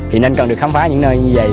thì nên cần được khám phá những nơi như vậy